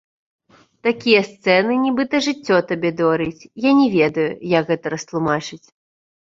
Такія сцэны нібыта жыццё табе дорыць, я не ведаю, як гэта растлумачыць.